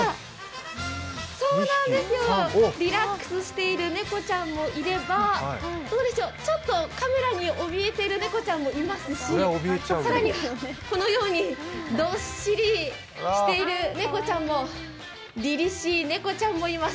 リラックスしている猫ちゃんもいればどうでしょう、ちょっとカメラにおびえている猫ちゃんもいますし、更にはどっしりしている猫ちゃんもりりしい猫ちゃんもいます。